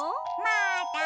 まだ！